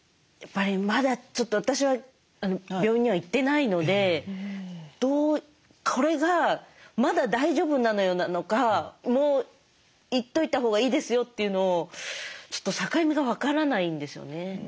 やっぱりまだちょっと私は病院には行ってないのでどうこれが「まだ大丈夫なのよ」なのか「もう行っといたほうがいいですよ」っていうのをちょっと境目が分からないんですよね。